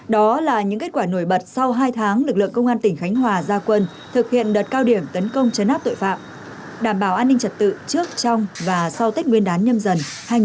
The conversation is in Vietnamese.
đó là những kết quả nổi bật sau hai tháng lực lượng công an tỉnh khánh hòa ra quân thực hiện đợt cao điểm tấn công chấn áp tội phạm đảm bảo an ninh trật tự trước trong và sau tết nguyên đán nhâm dần hai nghìn hai mươi bốn